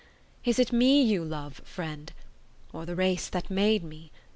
Is it me you love, friend? or the race that made me?